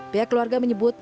pihak keluarga menyebut